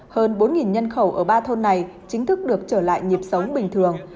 hơn bốn nhân khẩu ở ba thôn này chính thức được trở lại nhịp sống bình thường